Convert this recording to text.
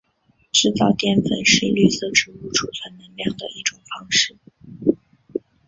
制造淀粉是绿色植物贮存能量的一种方式。